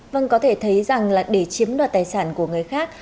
vâng có thể thấy rằng là để chiếm đoạt tài sản của người khác